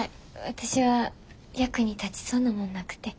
私は役に立ちそうなもんなくて。